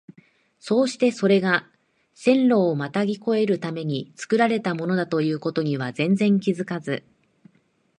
そうしてそれが線路をまたぎ越えるために造られたものだという事には全然気づかず、